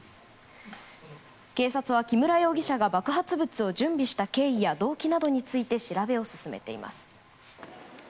警察は木村容疑者が爆発物を準備した経緯や動機などについて調べを進めています。